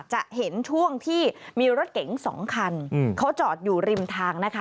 จะเห็นช่วงที่มีรถเก๋งสองคันเขาจอดอยู่ริมทางนะคะ